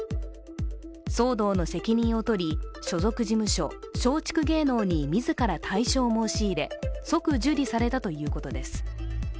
騒動の責任をとり所属事務所、松竹芸能に自ら退所を申し入れ、即受理されたということです。